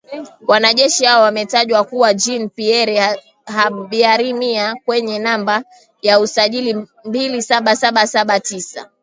Wanajeshi hao wametajwa kuwa Jean Pierre Habyarimana mwenye namba za usajili mbili saba saba saba tisa